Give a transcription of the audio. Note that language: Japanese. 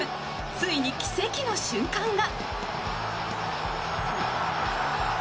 ついに奇跡の瞬間が。